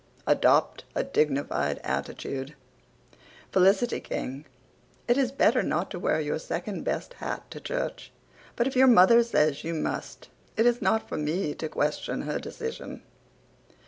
Adopt a dignified attitude. F y K g: It is better not to wear your second best hat to church, but if your mother says you must it is not for me to question her decision.